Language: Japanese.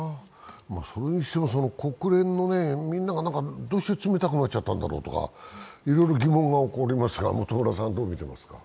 それにしても国連のみんながどうして冷たくなっちゃったんだろうとか、いろいろ疑問が起こりますがどう見ていますか？